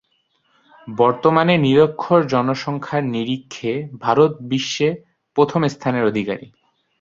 বর্তমানে নিরক্ষর জনসংখ্যার নিরিখে ভারত বিশ্বে প্রথম স্থানের অধিকারী।